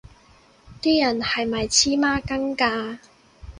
啲人係咪黐孖筋㗎